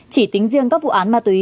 chỉ tính riêng các vụ án ma túy